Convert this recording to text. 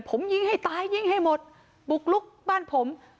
ผมยิงให้ตายยิงให้หมดบุกลุกบ้านผม